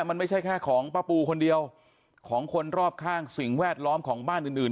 มันไม่ใช่แค่ของป้าปูคนเดียวของคนรอบข้างสิ่งแวดล้อมของบ้านอื่นอื่น